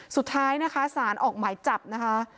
สุดท้ายนะคะสารออกหมายจับนะคะ